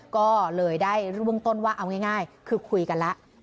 ก็เลยได้เบื้องต้นว่าเอาง่ายคือคุยกันแล้ว